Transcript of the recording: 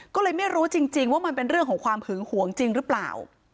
ก็เลยไม่รู้จริงว่ามันเป็นเรื่องของความหึงหวงจริงหรือเปล่า